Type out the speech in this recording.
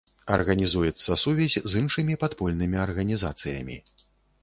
Арганізуецца сувязь з іншымі падпольнымі арганізацыямі.